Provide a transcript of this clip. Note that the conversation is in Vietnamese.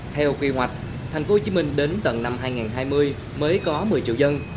theo quy hoạch tp hcm đến tận năm hai nghìn hai mươi mới có một mươi triệu dân